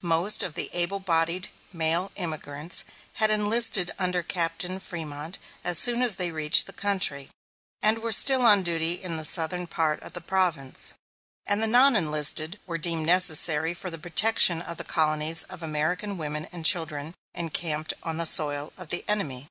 Most of the able bodied male emigrants had enlisted under Captain Frémont as soon as they reached the country, and were still on duty in the southern part of the province; and the non enlisted were deemed necessary for the protection of the colonies of American women and children encamped on the soil of the enemy.